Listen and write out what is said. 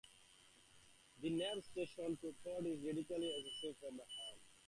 The nav station to port is readily accessible from the helm.